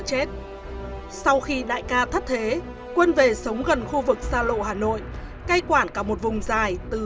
chết sau khi đại ca thất thế quân về sống gần khu vực xa lộ hà nội cây quản cả một vùng dài từ